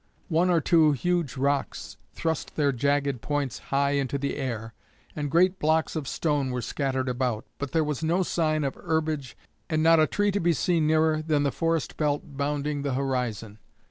One or two huge rocks thrust their jagged points high into the air, and great blocks of stone were scattered about, but there was no sign of herbage and not a tree to be seen nearer than the forest belt bounding the horizon.